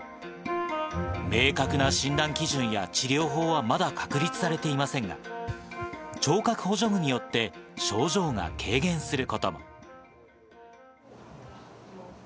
明確な診断基準や治療法はまだ確立されていませんが、聴覚補助具によって症状が軽減することも。